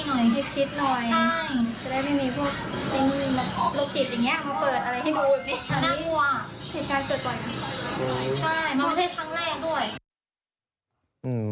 น่ากลัวเหตุการณ์เกิดไปเหมือนกันใช่มันไม่ใช่ครั้งแรกด้วย